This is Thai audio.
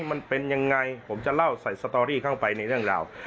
มันเป็นยังไงผมจะเล่าใส่สตอรี่เข้าไปในเรื่องราว